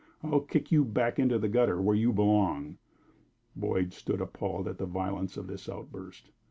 I'll kick you back into the gutter, where you belong." Boyd stood appalled at the violence of this outburst.